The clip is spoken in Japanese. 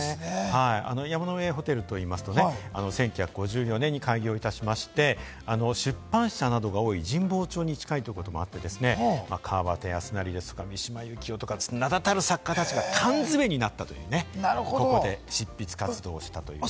山の上ホテルと言いますとね、１９５４年に開業いたしまして、出版社などが多い神保町に近いところともあって、川端康成ですとか、三島由紀夫とか名だたる作家たちが缶詰になったというね、執筆活動したということで。